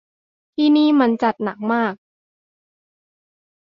นี่มันจัดหนักมาก